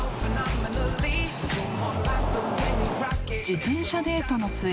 ［自転車デートの末］